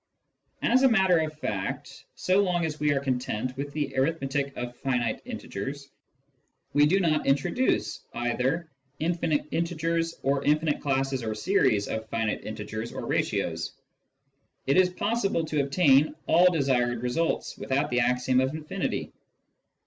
As a matter of fact, so long as we are content with the arith metic of finite integers, and do not introduce either infinite integers or infinite classes or series of finite integers or ratios, it is possible to obtain all desired results without the axiom of infinity.